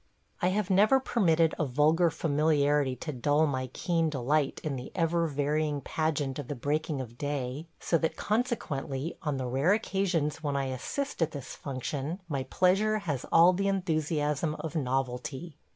I have never permitted a vulgar familiarity to dull my keen delight in the ever varying pageant of the breaking of day; so that, consequently, on the rare occasions when I assist at this function, my pleasure has all the enthusiasm of novelty.